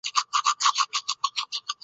刘粲及后就派靳准杀死刘乂。